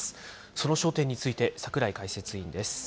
その焦点について櫻井解説委員です。